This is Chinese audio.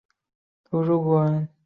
郭道甫人。